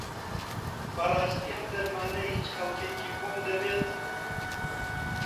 بەڕاستی ئەم دەرمانە هیچ کەڵکێکی بۆم دەبێت؟